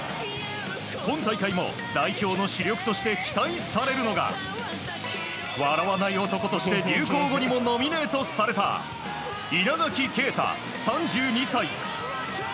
今大会も代表の主力として期待されるのが笑わない男として流行語にもノミネートされた稲垣啓太、３２歳。